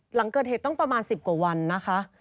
หลังเกิดเหตุต้องประมาณ๑๐กว่าวันนะคะ